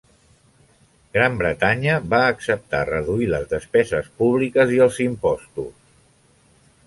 Gran Bretanya va acceptar reduir les despeses públiques i els impostos.